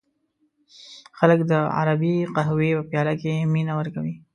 خلک د عربی قهوې په پیاله کې مینه ورکوي.